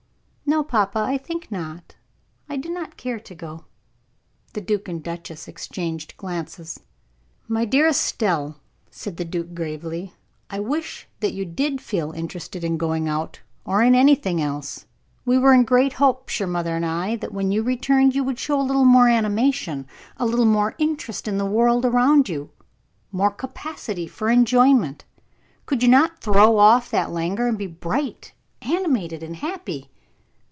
"No, papa, I think not; I do not care to go." The duke and duchess exchanged glances. "My dear Estelle," said the duke, gravely, "I wish that you did feel interested in going out or in anything else. We were in great hopes, your mother and I, that when you returned you would show a little more animation, a little more interest in the world around you more capacity for enjoyment. Could you not throw off that languor, and be bright, animated, and happy?"